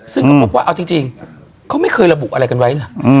ซึ่งเขาบอกว่าเอาจริงจริงเขาไม่เคยระบุอะไรกันไว้หรืออืม